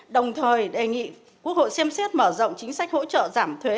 đồng thời đề nghị quốc hội xem xét mở rộng chính sách hỗ trợ giảm thuế